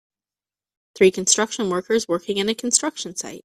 Three construction workers working in a construction site.